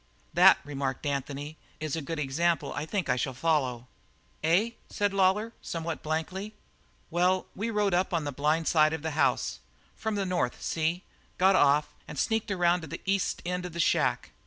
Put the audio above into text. "That," remarked Anthony, "is an example I think I shall follow." "Eh?" said Lawlor, somewhat blankly. "Well, we rode up on the blind side of the house from the north, see, got off, and sneaked around to the east end of the shack.